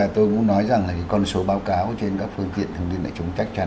tôi muốn nói rằng con số báo cáo trên các phương tiện thông tin lại chống chắc chắn